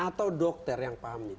atau dokter yang paham